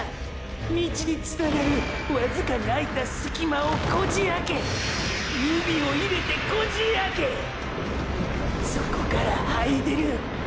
道につながるわずかに空いたスキマをこじ開け指を入れてこじ開けそこから這い出る！！